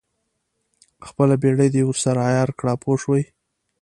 خپله بېړۍ دې ورسره عیاره کړه پوه شوې!.